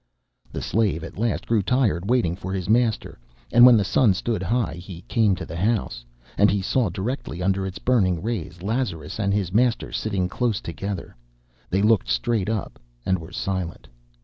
The slave at last grew tired waiting for his master, and when the sun stood high he came to the house. And he saw, directly under its burning rays, Lazarus and his master sitting close together. They looked straight up and were silent.